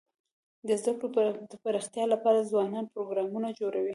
د زده کړو د پراختیا لپاره ځوانان پروګرامونه جوړوي.